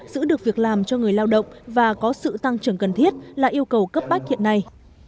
giữ được việc làm cho người lao động và có sự tăng trưởng cần thiết là yêu cầu cấp bách hiện nay